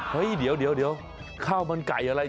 เฮ้ยเดี๋ยวข้าวมันไก่อะไร